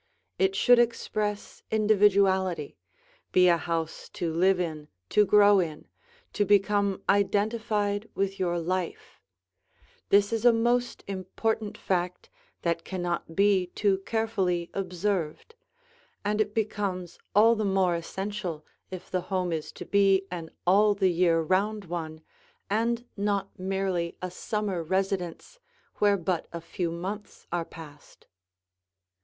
It should express individuality, be a house to live in, to grow in, to become identified with your life; this is a most important fact that cannot be too carefully observed, and it becomes all the more essential if the home is to be an all the year round one and not merely a summer residence where but a few months are passed.